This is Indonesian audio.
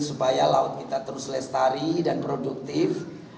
supaya laut kita terus lestari dan produktif